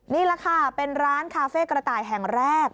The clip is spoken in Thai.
นี่แหละค่ะเป็นร้านคาเฟ่กระต่ายแห่งแรก